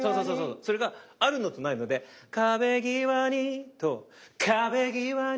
それがあるのとないので「壁ぎわに」と「壁ぎわに」。